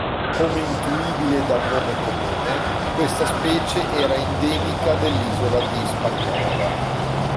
Come intuibile dal nome comune, questa specie era endemica dell'isola di Hispaniola.